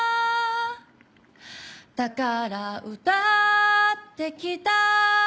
「だから歌ってきた」